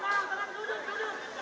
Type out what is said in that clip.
sahabat sahabat sekalian tolong ke sini